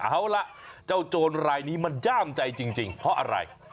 เอานี่เจ้าโจรลายมันด้ามใจจริงเพราะอะไร